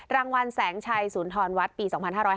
รางวัลแสงชัยศูนย์ทรวรรษปี๒๕๕๘